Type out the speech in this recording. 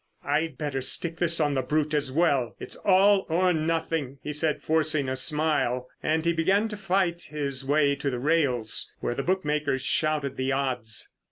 "I'd better stick this on the brute as well, it's all or nothing," he said, forcing a smile. And he began to fight his way to the rails where the bookmakers shouted the odds.